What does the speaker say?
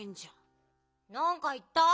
なんかいった？